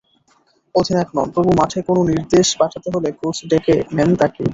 অধিনায়ক নন, তবু মাঠে কোনো নির্দেশ পাঠাতে হলে কোচ ডেকে নেন তাঁকেই।